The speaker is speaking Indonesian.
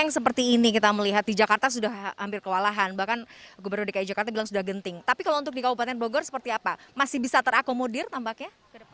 yang seperti ini kita melihat di jakarta sudah hampir kewalahan bahkan gubernur dki jakarta bilang sudah genting tapi kalau untuk di kabupaten bogor seperti apa masih bisa terakomodir tampaknya ke depan